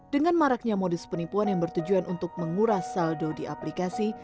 dengan maraknya modus penipuan yang bertujuan untuk menguras saldo di aplikasi